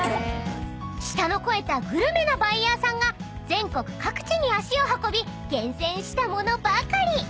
［舌の肥えたグルメなバイヤーさんが全国各地に足を運び厳選した物ばかり］